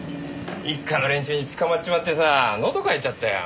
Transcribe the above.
１課の連中に掴まっちまってさのど渇いちゃったよ。